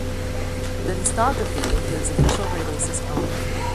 The discography includes official releases only.